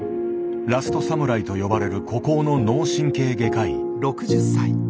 ラストサムライと呼ばれる孤高の脳神経外科医。